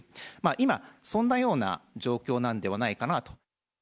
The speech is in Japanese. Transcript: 今、そんなような状況なんではないかなと。